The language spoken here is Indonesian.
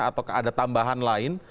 atau ada tambahan lain